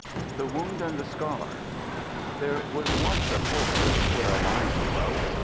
The Wound and the Scar THERE was once a forest where a Lion dwelt.